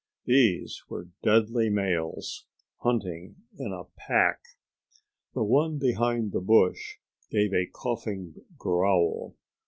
These were deadly males, hunting in a pack. The one behind the bush gave a coughing growl.